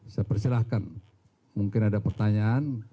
saya persilahkan mungkin ada pertanyaan